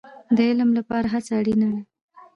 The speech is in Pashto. د علم لپاره هڅه اړین ده